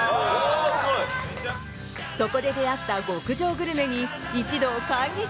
そこで出会った極上グルメに一同感激。